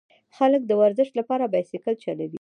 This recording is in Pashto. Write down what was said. خلک د ورزش لپاره بایسکل چلوي.